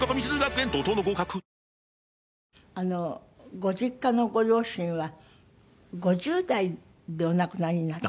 ご実家のご両親は５０代でお亡くなりになったのね。